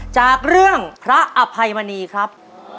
จากเรื่องพระอภัยมณีครับ